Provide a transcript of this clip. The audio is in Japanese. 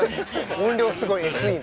音量すごいＳＥの。